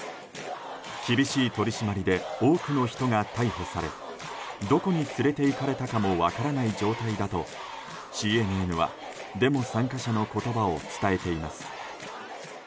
厳しい取り締まりで多くの人が逮捕されどこに連れていかれたかも分からない状態だとＣＮＮはデモ参加者の言葉を伝えています。